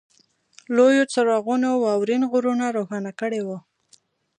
لویو څراغونو واورین غرونه روښانه کړي وو